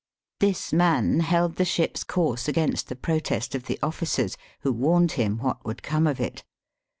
This man held the ship's course against the protest of the officers, who warned him Avhat would come of it.